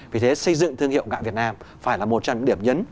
vì thế xây dựng thương hiệu gạo việt nam phải là một trong những điểm nhấn